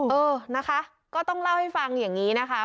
เออนะคะก็ต้องเล่าให้ฟังอย่างนี้นะคะ